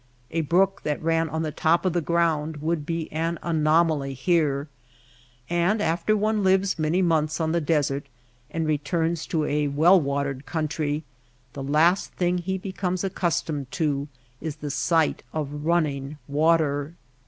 A brook that ran on the top of the ground would be an anomaly here ; and after one liv^s many months on the THE MAKE OF THE DESERT 35 desert and returns to a well watered country, the last thing he becomes accustomed to is the sight of running water.